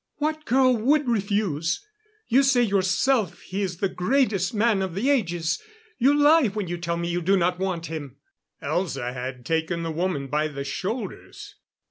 What girl would refuse? You say yourself he is the greatest man of the ages. You lie when you tell me you do not want him!" Elza had taken the woman by the shoulders.